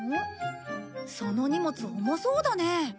その荷物重そうだね。